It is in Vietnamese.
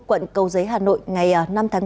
quận cầu giới hà nội ngày năm tháng ba